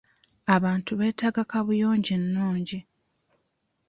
Abantu beetaaga kaabuyonjo ennungi.